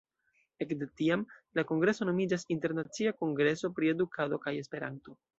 Ekde tiam, la kongreso nomiĝas Internacia Kongreso pri Edukado kaj Esperanto.